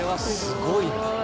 すごい。